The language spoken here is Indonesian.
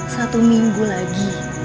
satu minggu lagi